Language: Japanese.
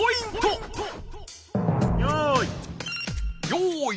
よい。